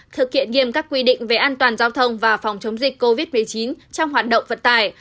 thực hiện nghiêm các quy định về an toàn giao thông và phòng chống dịch covid một mươi chín trong hoạt động vận tải